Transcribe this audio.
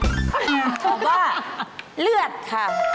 อ๋อว่าเลือดค่ะ